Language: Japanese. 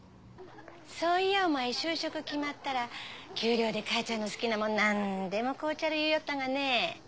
そういやお前就職決まったら給料で母ちゃんの好きなもん何でも買うちゃる言いよったがね。